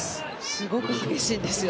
すごく激しいんですよ